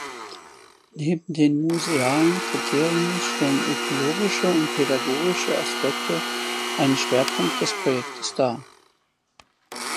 Neben den musealen Kriterien stellen ökologische und pädagogische Aspekte einen Schwerpunkt des Projekts dar.